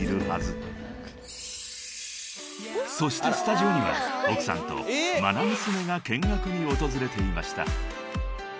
［そしてスタジオには奥さんと愛娘が見学に訪れていました］